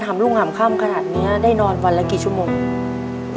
เป็นงานหลักเลย